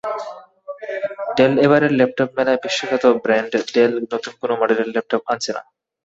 ডেলএবারের laptop মেলায় বিশ্বখ্যাত brand del নতুন কোনো মডেলের ল্যাপটপ আনছে না।